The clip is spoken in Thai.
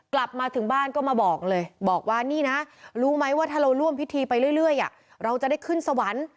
กลับมาถึงบ้านก็มาบอกเลยบอกว่านี่นะรู้ไหมว่าถ้าเราร่วมพิธีไปเรื่อยเราจะได้ขึ้นสวรรค์